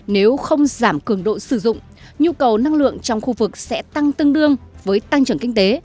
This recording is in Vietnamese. nếu không giảm cường độ sử dụng nhu cầu năng lượng trong khu vực sẽ tăng tương đương với tăng trưởng kinh tế